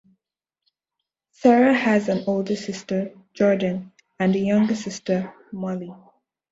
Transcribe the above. Cera has an older sister, Jordan, and a younger sister, Molly.